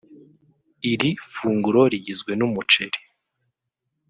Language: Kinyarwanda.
Iri funguro rigizwe n’umuceri